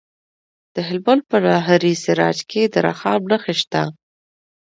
د هلمند په ناهري سراج کې د رخام نښې شته.